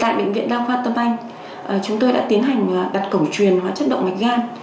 tại bệnh viện đa khoa tâm anh chúng tôi đã tiến hành đặt cổng truyền hóa chất động mạch gan